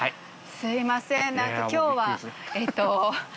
すいません今日はえっと。